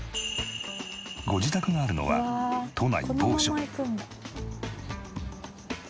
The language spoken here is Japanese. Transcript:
ご自宅があるのは都内某所。